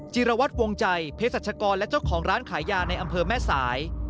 จิรวัตรวงใจเพศรัชกรและเจ้าของร้านขายยาในอำเภอแม่สาย